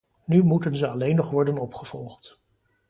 Nu moeten ze alleen nog worden opgevolgd.